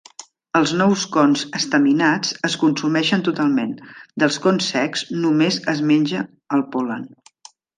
Els nous cons estaminats es consumeixen totalment; dels cons secs només es menja el pol·len.